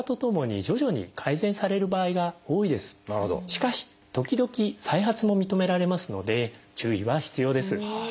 しかし時々再発も認められますので注意は必要です。